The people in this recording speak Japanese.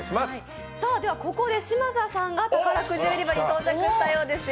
ここで嶋佐さんが宝くじ売り場に到着したようですよ。